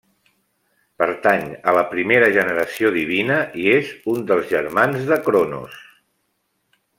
Pertany a la primera generació divina i és un dels germans de Cronos.